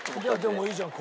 でもいいじゃん